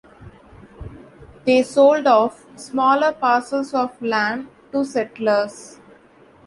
They sold off smaller parcels of land to settlers.